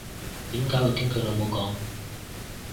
點解會經佢老母溝